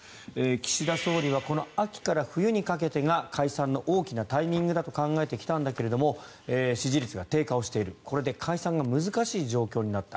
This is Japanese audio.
岸田総理はこの秋から冬にかけてが解散の大きなタイミングだと考えてきたんだけども支持率が低下をしているこれで解散が難しい状況になった。